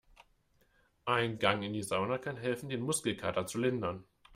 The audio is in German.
Ein Gang in die Sauna kann helfen, den Muskelkater zu lindern.